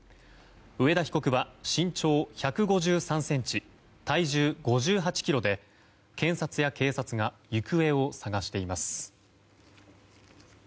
上田被告は身長１５３ｃｍ、体重５８ｋｇで検察や警察が行方を捜しています。